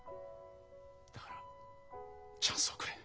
だからチャンスをくれ。